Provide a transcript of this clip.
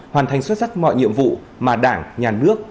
hoàn thành xuất sắc mọi nhiệm vụ mà đảng nhà nước